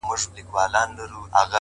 ځمه و لو صحراته،